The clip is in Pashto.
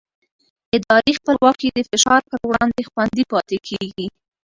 اداري خپلواکي د فشار پر وړاندې خوندي پاتې کېږي